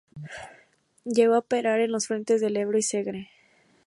Llegó a operar en los frentes del Ebro y Segre.